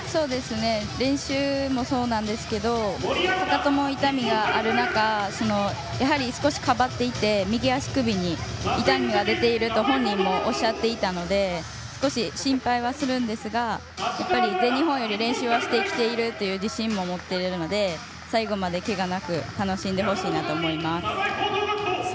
練習もそうなんですけどかかとの痛みがある中やはり少し、かばっていて右足首に痛みが出ていると本人もおっしゃっていたので少し心配はするんですがやっぱり全日本より練習はしてきているという自信も持っているので最後まで、けがなく楽しんでほしいなと思います。